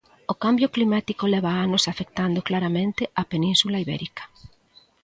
O cambio climático leva anos afectando claramente a Península Ibérica.